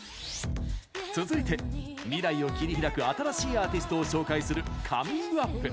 続いて、未来を切り開く新しいアーティストを紹介する「ＣｏｍｉｎｇＵｐ！」。